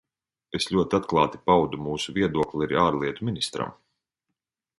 Es ļoti atklāti paudu mūsu viedokli arī ārlietu ministram.